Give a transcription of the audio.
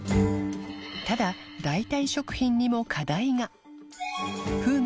磴燭代替食品にも課題が禀覆